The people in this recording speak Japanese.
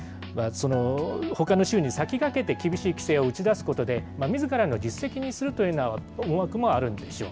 ほかの州に先駆けて厳しい規制を打ち出すことで、みずからの実績にするというような思惑もあるんでしょう。